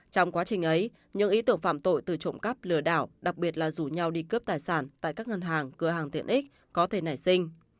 trong quá trình ấy những ý tưởng phạm tội từ trộm cắp lừa đảo đặc biệt là rủ nhau đi cướp tài sản tại các ngân hàng cửa hàng tiện ích có thể nảy sinh